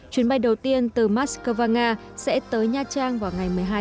chuyến bay đầu tiên từ moskova nga sẽ tới nha trang vào ngày một mươi hai tháng ba tới